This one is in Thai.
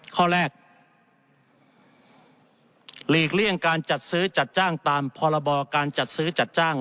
ข้อแรกหลีกเลี่ยงการจัดซื้อจัดจ้างตามพรบการจัดซื้อจัดจ้าง